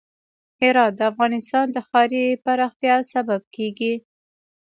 هرات د افغانستان د ښاري پراختیا سبب کېږي.